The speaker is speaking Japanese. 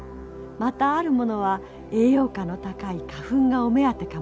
またあるものは栄養価の高い花粉がお目当てかもしれません。